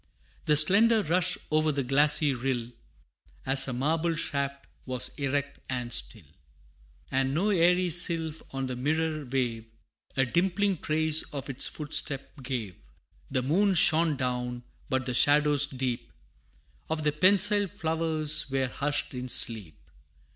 The slender rush o'er the glassy rill, As a marble shaft, was erect and still, And no airy sylph on the mirror wave, A dimpling trace of its footstep gave. The moon shone down, but the shadows deep Of the pensile flowers, were hushed in sleep.